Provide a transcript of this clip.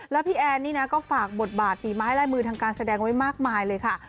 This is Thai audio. แล้วพี่แอนนี่นะก็ฝากบทบาทฝีไม้ลายมือทางการแสดงไว้มากมายเลยค่ะ